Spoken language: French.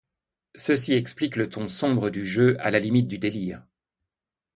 Ceci explique le ton sombre du jeu, à la limite du délire.